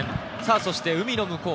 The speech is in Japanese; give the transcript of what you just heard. さあ、そして海の向こう